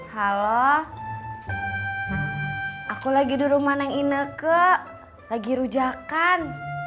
halo aku lagi di rumah ineke lagi rujakan